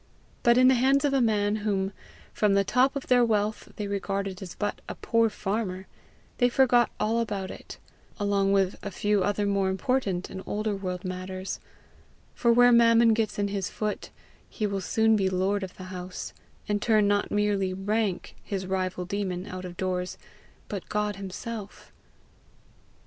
But in the hands of a man whom, from the top of their wealth, they regarded as but a poor farmer, they forgot all about it along with a few other more important and older world matters; for where Mammon gets in his foot, he will soon be lord of the house, and turn not merely Rank, his rival demon, out of doors, but God himself.